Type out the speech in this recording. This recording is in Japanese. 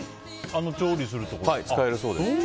あの調理するところですか。